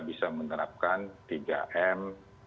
bisa menerapkan tiga m